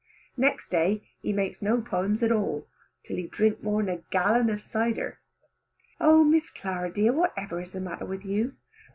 Next day, he make no poems at all till he drink more than a gallon of cider. Oh Miss Clara dear, what ever is the matter with you?